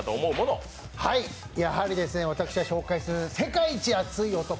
やはり私が紹介する世界一熱い男